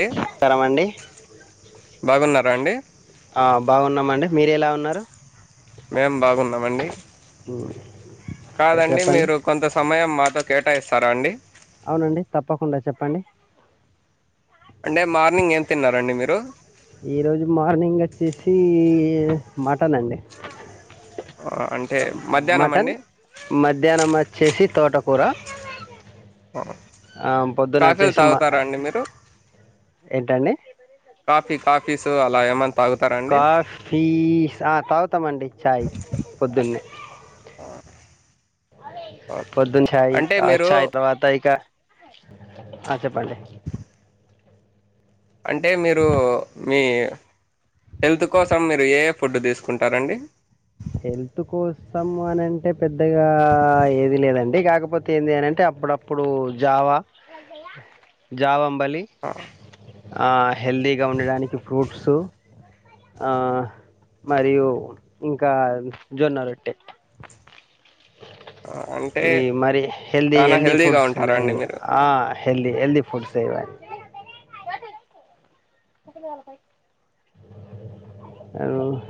అండి నమస్కారమండి బాగున్నారా అండి ఆ బాగున్నామండి మీరు ఎలా ఉన్నారు మేము బాగున్నామండి ఉమ్, ఇంకా కాదండి చెప్పండి మీరు కొంత సమయం మాతో కేటాయిస్తారా అండి అవునండి తప్పకుండా చెప్పండి అంటే మార్నింగ్ ఏం తిన్నారండి మీరు ఈ రోజు మార్నింగ్ వచ్చేసి మటన్ అండి ఆ, అంటే మధ్యాహ్నం మటన్ అండి మధ్యాహ్నం వచ్చేసి తోటకూర ఆ పొద్దున కాఫీలు వచ్చేసి మా తాగుతారా అండి మీరు ఏంటండి కాఫీ కాఫీస్ అలా ఏమన్నా కాఫీస్ ఆ తాగుతామండి ఛాయ్ పొద్దున్నే ఆ, పొద్దున చాయ్ అంటే అ మీరు చాయ్ తర్వాత ఇక అ చెప్పండి అంటే మీరు మీ హెల్త్ కోసం మీరు ఏఏ ఫుడ్ తీసుకుంటారండి హెల్త్ కోసం అనంటే పెద్దగా ఏది లేదండి కాకపోతే కాకపోతే ఏంది అనంటే అప్పుడప్పుడు జావా జావ అంబలి హెల్దీగా ఉండడానికి ఫ్రూట్స్ ఆ మరియు ఇంకా జొన్న రొట్టె ఆ, అంటే ఇవి మరి హెల్ది చాలా హెల్దీ హెల్తీగా ఫుడ్స్ ఉంటారా ఎలా అండి ఇవి మీరు ఆ హెల్ది హెల్ది ఫుడ్సే ఇవన్నీ అ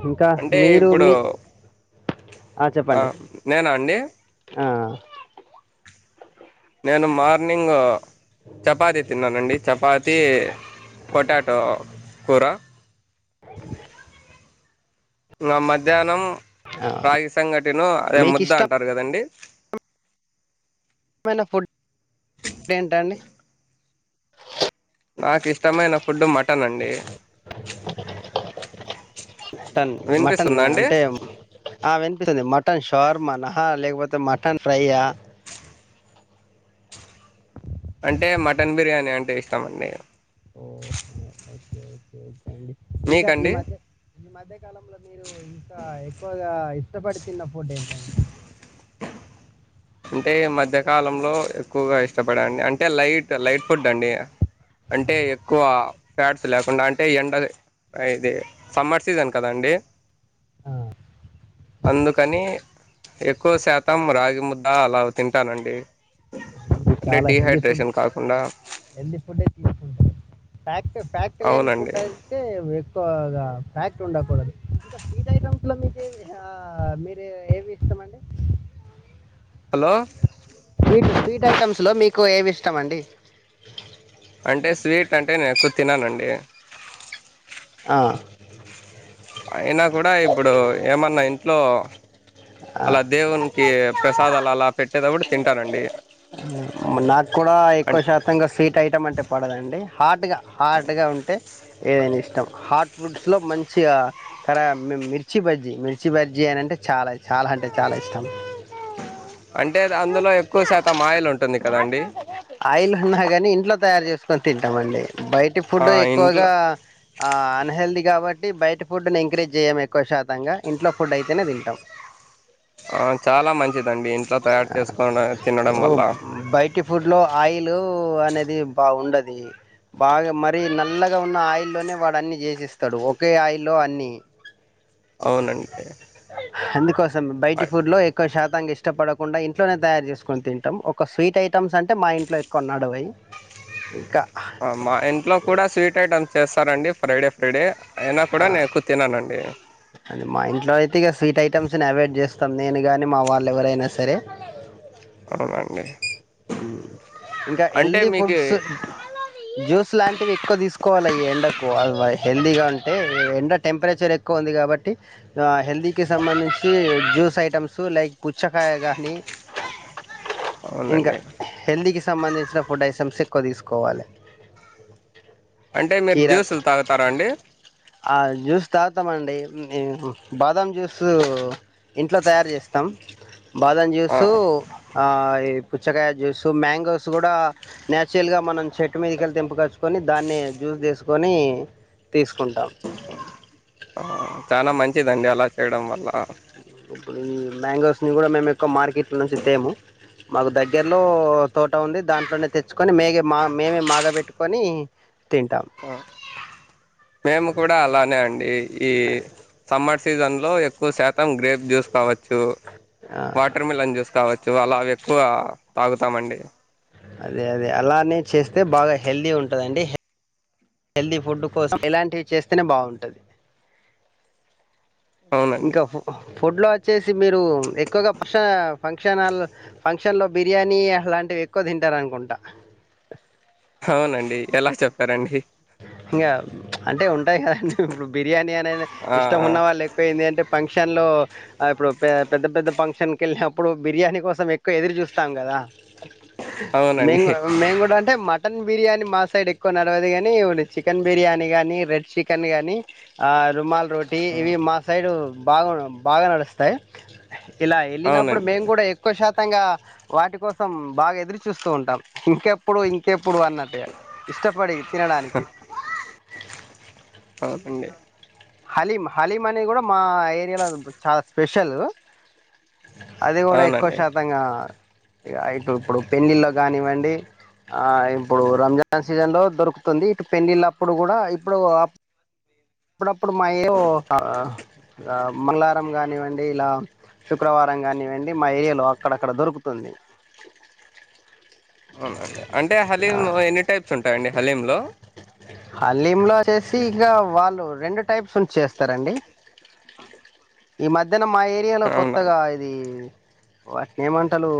ఇంకా అంటే మీరు ఇప్పుడు మీ ఆ నేనా అండి ఆ నేను మార్నింగ్ చపాతి తిన్నానండి చపాతి పొటాటో కూ ర నా మధ్యాహ్నం రాగి సంఘటిను అదే మీకు ముద్ద ఇష్టమైన అంటారు కదండి ఏమైన ఫుడ్ ఏంటండి నాకు ఇష్టమైన ఫుడ్ మటన్ అండి మటన్ మటన్ వినిపిస్తుందా అండి అంటే ఆ వినిపిస్తుంది మటన్ చర్ మనహా లేకపోతే మటన్ ఫ్రై ఆ అంటే మటన్ బిర్యానీ అంటే ఇష్టమండి ఓహో ఓకే ఓకేే ఓకే అండి ఇంకా ఈ మీకండి మధ్య ఈ మధ్య కాలంలో మీరు ఇంకా ఎక్కువగా ఇష్టపడి తిన్న ఫుడ్ ఏంటండి అంటే మధ్యకాలంలో ఎక్కువగా ఇష్టపడండి అంటే లైట్ లైట్ ఫుడ్ అండి అంటే ఎక్కువ ఫ్యాట్స్ లేకుండా అంటే ఎండది అయిదే సమ్మర్ సీజన్ కదాండి ఆ అందుకని ఎక్కువ శాతం రాగి ముద్ద అలా తింటానండి మీరు అంటే చాలా హెల్ది ఫుడ్ డిహైడ్రేషన్ కాకుండా హెల్ది ఫుడ్ ఏ తీసుకుంటరు అంటే ఫ్యాట్ లేని అవునండి ఫుడ్ అయితే ఎక్కువగా ఫ్యాట్ ఉండకూడదు ఇంకా స్వీట్ ఐటమ్స్ లో మీకు ఏ మీరు ఏవి ఇష్టమండి హలో స్వీట్ స్వీట్ ఐటమ్స్లో మీకు ఏమి ఇష్టం అండి అంటే స్వీట్ అంటే నేను ఎక్కువ తిననండి అ అయినా కూడా ఇప్పుడు ఏమన్నా ఇంట్లో ఆ! అలా దేవునికి ప్రసాదాలు అలా పెట్టేద కూడా తింటానండి నాకు కూడా అం ఎక్కువ శాతంగా స్వీట్ ఐటమ్ అంటే పడదండి హార్ట్గా హార్డ్గా ఉంటే ఏదనా ఇష్ హాట్ ఫుడ్స్ లో మంచిగా కరా మిర్చి బజ్జీ మిర్చి బజ్జీ అని అంటే చాలా ఇ చాలా అంటే చాలా ఇష్టం అంటే అందులో ఎక్కువ శాతం మాయలు ఉంటాయి ఆయిల్ అన్నా కాని ఇంట్లో తయారు చేసుకొని తింటామండి బయటి ఆ ఫుడ్ ఎక్కువగా ఇంట్లో ఆ అన్ హెల్త్ ఈ కాబట్టి టి బయట ఫుడ్ ని ఎంకరీజ్ చేయము ఎక్కువ శాతంగా ఇంట్లో ఫుడ్ అయితేనే తింటాం ఆ చాలా మంచిదండి ఇంట్లో తయారు చేసుకోని తినడం ఓ వల్ల బయటి ఫుడ్ లో ఆయిల్ అనేది బాగుండది బాగా మరి నల్లగా ఉన్న ఆయిల్లోనే వాడు అన్ని చేసిస్తాడు ఒకే ఆయిల్లో అన్ని అవునండి అందుకోసం బయటి అ ఫుడ్ లో ఎక్కువ శాత్ తంగా ఇష్టపడకుండా ఇంట్లోనే తయారు చేసుకొని తింటం ఒక స్వీట్ ఐటమ్స్ అంటే మా ఇంట్లో ఎక్కువ నడవయ్ మా ఇంట్లో కూడా స్వీట్ ఐటమ్స్ చేస్తారండి ఫ్రైడే ఫ్రైడే అయినా కూడా నేను ఎకుతిననండి కని అ మా ఇంట్లో అయితే ఇక స్వీట్ ఐటమ్స్ని అవాయిడ్ చేస్తాం నేను కానీ మా వాళ్ళు ఎవరైనా సరే అవునండి హ్మ్మ్ ఇంకా అంటే హెల్దీ మీకు ఫుడ్స్ జ్యూస్ లాంటివి ఎక్కువ తీసుకోవాలి ఈ ఎండకు ఎక్కువ హెల్దీగా ఉంటే ఎండ టెంపరేచర్ ఎక్కువ ఉంది కాబట్టి హెల్దీకి సంబంధించి జ్యూస్ ఐటమ్స్ లైక్ పుచ్చకాయ కానీ అవునండి హెల్తికి సంబంధించిన ఫుడ్ ఐటమ్స్ ఎక్కువ తీసుకోవాలే అంటే మీరు కీరా జ్యూసులు తాగుతారా అండి ఆ జూస్ తాగుతామండి బాదం జ్యూస్ ఇంట్లో తయారు చేస్తాం బాదం ఆ, జ్యూసు ఆ ఈ చ్చకాయ జ్యూస్ మ్యాంగోస్ కూడా నేచురల్ గా మనం చెట్టు మీదకెళ్లి తెింపుకచ్చుకొని దాన్ని జ్యూస్ చేసుకొని తీసుకుంటాం ఆ, చాలా మంచిదండి అలా చేయడం వల్ల ఇప్పుడు ఈ మ్యాంగోస్ని కూడా మేము ఎక్కువ మార్కెట్లో నుంచి తేము మాకు దగ్గర్లో తోట ఉంది దాంట్లోనే తెచ్చుకొని మేగే మా మేమే మాగ పెట్టుకొని మేము కూడా అలానే అండి ఈ సమ్మర్ సీజన్ లో ఎక్కువ శాతం గ్రేప్ జ్యూస్ కావచ్చు ఆ వాటర్ మిలన్ జ్యూస్ కావచ్చు అలా అవి ఎక్కువ తాగుతామండి అదే అదే అలానే చేస్తే బాగా హెల్దీ ఉంటదండి హెల్తీ ఫుడ్ కోసం ఇలాంటివి చేస్తేనే బాగుంటది అవునండి ఇంకా పు ఫుడ్ లో వచ్చేసి మీరు ఎక్కువగా ఫంక్షన్ హాల్ ఫంక్షన్ లో బిర్యానీ అలాంటివి ఎక్కువ తింట తింటరానుకుంట అవునండి ఎలా చెప్పారండి ఇంకా అంటే ఉంటాయి కదండి ఇప్పుడు బిర్యానీ అ ఆ, ఇష్టం ఆ, ఉన్న వాళ్ళు ఎక్కువ ఏంది అంటే పంక్ ఫంక్షన్లో ఇప్పుడు పె పెద్ద పెద్ద ఫంక్షన్కి వెళ్ళినప్పుడు బిర్యానీ కోసం ఎక్కువ ఎదురు చూస్తాం కదా మ అవునండి మేము కూడా అంటే మటన్ బిర్యాని మా సైడ్ ఎక్కువ నడవది గని చికెన్ బిర్యానీ గానీ రెడ్ చికెన్ గానీ ఆ రుమాల్ రోటీ ఆ, ఇవి మా సైడు బాగా బాగా నడుస్తాయి ఇలా వెళ్ళినప్పుడు అవునండి మేము కూడా ఎక్కువ శాతంగా వాటి కోసం బాగా ఎదురు చూస్తూ ఉంటాం ఇంకెప్పుడు ఇంకెప్పుడు అన్నట్టుగా ఇష్టపడి తినడానికి అవునండి హలీం హలీం అనేది కూడా మా ఏరియాలో చాలా స్పెషల్ అది కూడా ఎక్కువ అవునండి శాతంగా ఇటు ఇప్పుడు పెండ్లిల్లో కానివ్వండి ఆ ఇప్పుడు రంజాన్ సీజన్ లో దొరుకుతుంది ఇటు పెళ్డిళ్ళప్పుడు కూడా ఇప్పుడు అప్పుడప్పుడు మాయవో మంగారం కానివ్వండి ఇలా శుక్రవారం కానివ్వండి మా ఏరియాలో అక్కడక్కడ దొరుకుతుంది అవునండి అంటే ఆ హలీంలో ఎన్ని టైప్స్ ఉంటాయండి హలీం లో హల్లీంలా వచ్చేసి ఇంక వాళ్ళు రెండు టైప్స్ ఉ చేస్తారండి ఈ మధ్యలో న్న మా ఏరియాలో అవునా కొత్తగా ఇది వాటిని ఏమంటారు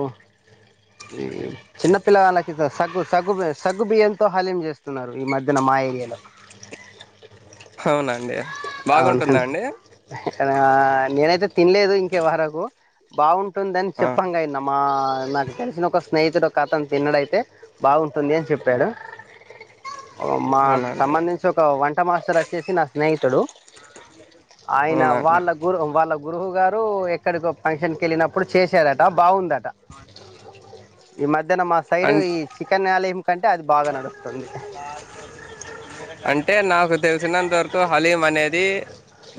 చిన్న పిల్లవాళ్ళకి సగ్గు సగ్గు సగ్గుబియ్యంతో హలీం చేస్తున్నారు ఈ మధ్యన [unintelligible] అవునండి బాగుంటుందా అండి కా నేనైతే తినలేదు ఇంకెవరకు బాగుంట ఉంటుందని ఆ చెప్పంగా విన్న మా నాకు తెలిసిన ఒక స్నేహితుడు ఒక అతను తిన్నడైతే బాగుంటుంది అని చెప్పాడు మాకు అవునండి సంబంధించి ఒక వంట మాస్టర్ వచ్చేసి నా స్నేహితుడు ఆయన అవునండి వాళ్ళ గురు వాళ్ళ గురువు గారు ఎక్కడికో ఫంక్షన్కి వెళ్ళినప్పుడు చేశారట బాగుందట [unintelligible] ఈ మధ్యాన మా సైడ్ అం ఈ చికెన్ హలీమ్ అంటే నాకు తెలిసినంతవరకు హలీం అనేది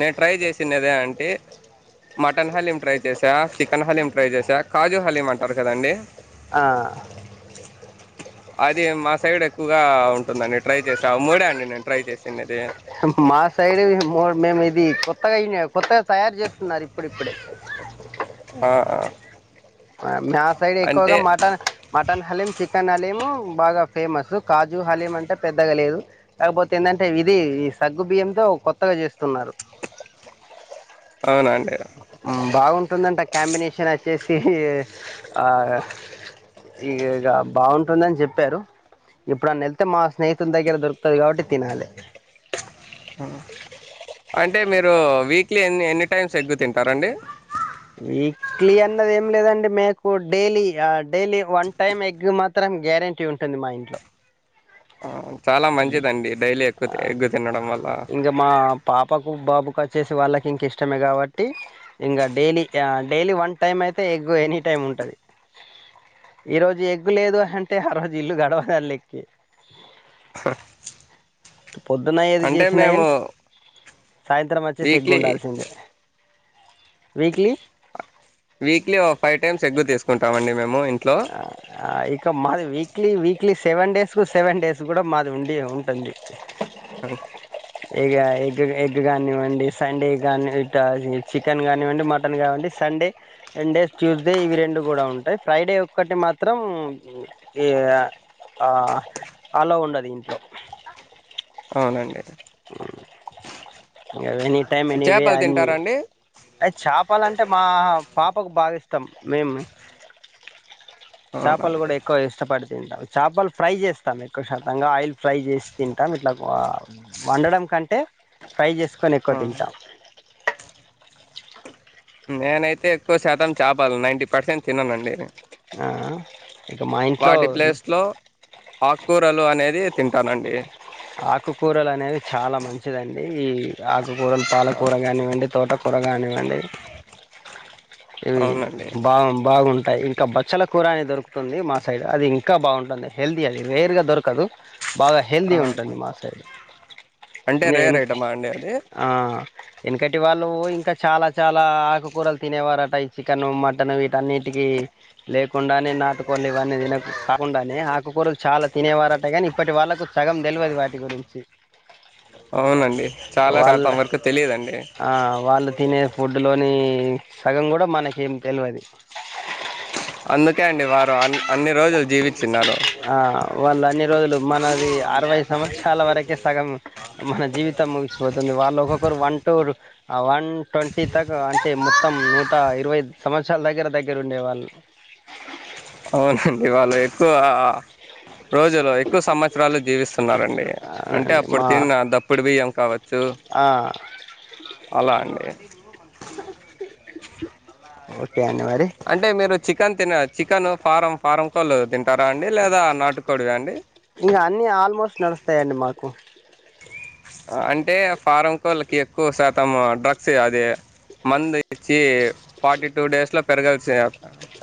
నేను ట్రై చేసినా అనేది మటన్ హలీమ్ ట్రై చేసా చికెన్ హలీం ట్రై చేసా కాజు హలీం అంటారు కదండీ [unintelligible] అది మా సైడ్ ఎక్కువగా ఉంటుందండి ట్రై చేసా మూడే అండి నేను ట్రై చేసినది మా సైడ్ మేము ఇది కొత్తగా అయి కొత్తగా తయారు చేస్తున్నారు ఇప్పుడిప్పుడే [unintelligible] ఆ మా సైడ్ ఎక్కువగా అంటే mutton mutton haleem chicken haleem బాగా ఫేమస్ కాజు హలిం అంటే పెద్దగా లేదు లేకపోతే ఏందంటే ఇది ఈ సగ్గు బియ్యంతో తో కొత్తగా చేస్తున్నారు అవునా అండి బాగుంటుందంట కాంబినేషన్ వచ్చేసి ఇ ఇగ బాగుంటుందని చెప్పారు ఎప్పుడు అన్న వెళ్తే మా స్నేహితులు దగ్గర దొరుకుతది కాబట్టి తినాలి ఆ అంటే మీరు వీక్లీ ఎ ఎన్ని టైమ్స్ ఎగ్ తింటారాండి వీక్లీ అన్నది ఏం లేదండి మీకు daily daily one time egg మాత్రం గ్యారెంటీ ఉంటుంది మా ఇంట్లో చాలా మంచిదిండి డైలీ ఎగ్ ఎగ్గు తినడం వల్ల ఇంగ మా పాపకు బాబుకు వచ్చెసి వాళ్ళకి ఇంక ఇష్టమే కాబట్టి ఇంగ డైలీ ఆ డైలీ వన్ టైమ్ అయితే ఎగ్ ఎనీ టైం ఉంటది ఈ రోజు ఎగ్ లేదు అంటే ఆ రోజు ఇల్లు గడవదల్ల ఎగ్ [unintelligible] పొద్దున ఏది అంటే చేసినా మేము కాని సాయంత్రం వచ్చే సి ఎగ్ వీక్లీ ఉండాల్సిందే విక్లీ వీక్లీ ఒక ఫైవ్ టైమ్స్ ఎగ్గు తీసుకుంటాంమండి మేము ఇంట్లో ఆ ఆ ఇంక మాది వీక్లీ వీక్లీ సెవెన్ డేస్కు సెవెన్ డేస్ కూడా మాది ఉండి ఉంటుంది ఆ ఇగ ఎగ్ ఎగ్ కానివ్వండి సండే కానీ ఇక చికెన్ కానివ్వండి మటన్ కానివ్వండి సండే సండే సండే ట్యూస్డే ఇవి రెండు కూడా ఉంటాయి ఫ్రైడే ఒకటి మాత్రం ఇ అలో ఉండదు ఇంట్లో [unintelligible] అవునండి ఎని టైమ్ ఎనివే చేపలు అన్ని తింటారండి అయి చాపాలంటే మా పాపకు బాగా ఇష్టం మేం చాపలు అవునండి కూడా ఎక్కువ ఇష్టపడు తింటాం చాపలు ఫ్రై చేస్తాం ఎక్కువ శాతంగా ఆయిల్ ఫ్రై చేసి తింటాం ఇట్లా వండడం కంటే ఫ్రై చేసుకొని ఎక్కువ ఆ. తింటా నేనైతే ఎక్కువ శాతం చాపలు నైన్టీ పర్సెంట్ తిననండి ఆ ఇక మా ఇంట్లో వాటి ప్లేస్ లో ఆక్కూరలు అనేది తింటానండి ఆకుకూరలు అనేవి చాలా మంచిదండి ఈ ఆకుకూరలు పాలకూర కానివ్వండి తోట కూర గానివ్వండి ఇవి అవునండి బావం బాగుం టాయి ఇంకా బచ్చల కూర అని దొరుకుతుంది మా సైడ్ అది ఇంకా బావుంటుంది హెల్దీ అది రేర్ గా దొరకదు బాగా ఆ, హెల్దీ ఉంటుంది మా సైడు అంటే రేర్ ఐటమ్ ఆ అండి అది ఆ ఎనకటి వాళ్ళు ఇంకా చాలా చాలా ఆకుకూరలు తినేవార ట ఈ చికెను మటను వీటన్నిటికీ లేకుండానే నాటుకోళ్ళు ఇవన్నీ తినకు కాకుండానే ఆకుకూరలు చాలా తినేవారట గానీ ఇప్పటి వాళ్ళకు సగం తెల్వది వాటి గురించి అవునండి అ చాలా వాళ్ శాతం వరకు తెలియదండి ఆ వాళ్ళు తినే ఫుడ్ లోని సగం కూడా మనకేం తెల్వది అందుకే అండి వారు అన్ అన్ని రోజులు జీవి ఆ వాళ్ళు అన్ని రోజులు మనది అరవై సంవత్సరాల వరకే సగం మన జీవి ట ముగిపోతుంది వాళ్ళు ఒక్కొక్కరు వన్ టూరు ఆ వన్ టొంటీ తాకు అంటే మొత్తం నూట ఇరవై సంవత్సరాల దగ్గర దగ్గర ఉండేవాళ్ళు అవునండి వాళ్ళు ఎక్కువ రోజులో ఎక్కువ సంవత్సరాలు జీవిస్తున్నారండి అంటే అవునండి అప్పుడు మా తినిన్న దప్పుడు బియ్యం కావచ్చు ఆ అలా అండి ఓకే అండి మరి అంటే మీరు చికెన్ తిన చికెను ఫారం ఫారం కోళ్ళు తింటారా అండి లేదా నాటుకోడివా అండి ఇంకా అన్ని ఆల్మోస్ట్ నడుస్తాయండి మాకు అంటే ఫారం కోళ్ళకి ఎక్కువ శాతం డ్రగ్స్ అది మందు ఇచ్చి ఫార్టీ టూ డేస్ లో పెరగాల్సి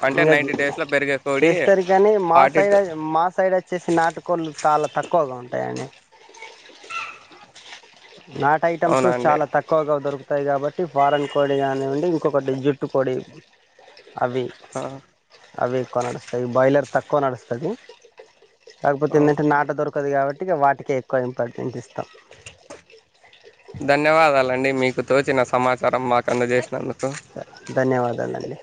అంటే ఇంకా నైన్టీ డేస్ లో పెరిగే కోడి చేస్తారు కాని మా ఫార్టీ సైడ్ టూ మా సైడు వచ్చేసి నాటుకోళ్ళు చాలా తక్కువగా ఉంటాయని నాటు ఐటెమ్స్ అవునా అండి చాలా తక్కువగా దొరుకు తాయి కాబట్టి ఫారెన్ కోడి కానివ్వండి ఇంకొకటి జుట్టు కోడి అవి అవి ఎక్కువ నడుస్తాయి బాయిలర్ తక్కువ నడుస్తాది కాకపోతే ఏందంటే అవును నాటు దొరకదు కాబట్టి ఇగ వాటికే ఎక్కువ ఇంపార్టెన్స్ ఇస్తా ధన్యవాదాలండి మీకు తోచిన సమాచారం మా అందజేసినందుకు ధన్యవాదాలండి